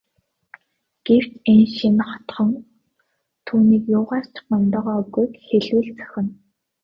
Гэвч энэ шинэ хотхон түүнийг юугаар ч гомдоогоогүйг хэлбэл зохино.